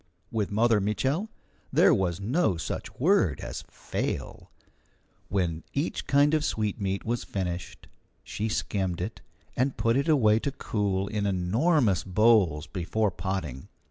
With Mother Mitchel there was no such word as fail. When each kind of sweetmeat was finished, she skimmed it, and put it away to cool in enormous bowls before potting.